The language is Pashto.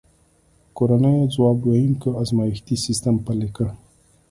کورنیو ځواب ویونکی ازمایښتي سیستم پلی کړ.